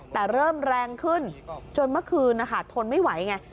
แต่เริ่มแรงขึ้นจนเมื่อคืนนะคะทนไม่ไหวไง